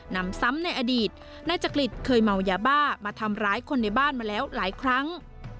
นำซ้ำในอดีตนายจักริตเคยเมายาบ้ามาทำร้ายคนในบ้านมาแล้วหลายครั้ง